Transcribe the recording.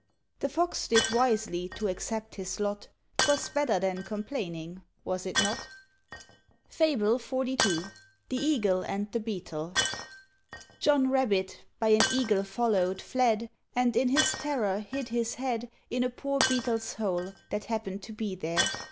The Fox did wisely to accept his lot; 'Twas better than complaining, was it not? FABLE XLII. THE EAGLE AND THE BEETLE. John Rabbit, by an Eagle followed, fled, And in his terror hid his head In a poor Beetle's hole, that happened to be there.